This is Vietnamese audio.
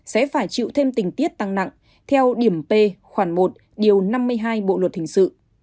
sẽ phải chịu thêm tình tiết tăng nặng theo điểm p khoảng một điều năm mươi hai bộ luật hình sự